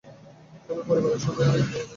তবে পরিবারের সবাই আর এক হওয়া হয় না।